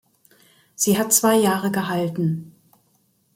Sie hat zwei Jahre gehalten.